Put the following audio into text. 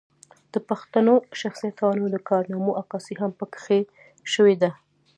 د پښتنو شخصياتو د کارنامو عکاسي هم پکښې شوې ده